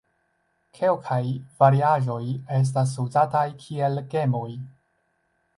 Kelkaj variaĵoj estas uzataj kiel gemoj.